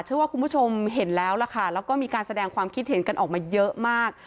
เชื่อว่าคุณผู้ชมเห็นแล้วล่ะค่ะแล้วก็มีการแสดงความคิดเห็นกันออกมาเยอะมาก